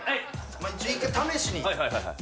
一回試しに。